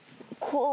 こう。